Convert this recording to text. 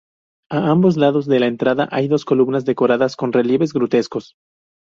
A ambos lados de la entrada hay dos columnas decoradas con relieves grutescos.